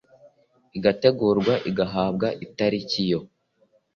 igategurwa igahabwa itariki yo